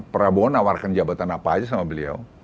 prabowo nawarkan jabatan apa aja sama beliau